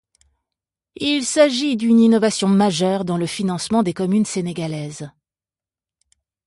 Il s’agit d’une innovation majeure dans le financement des communes sénégalaises.